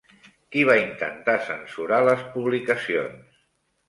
Qui va intentar censurar les publicacions?